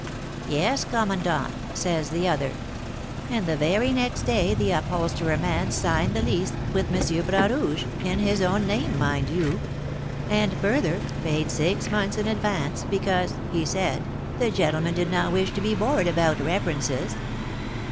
'Yes, commandant,' says the other. And the very next day the upholsterer man signed the lease with M. Bras Rouge (in his own name, mind you); and, further, paid six months in advance, because, he said, the gentleman did not wish to be bored about references.